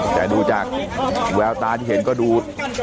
แต่ดูจากแววตาที่เห็นก็ดู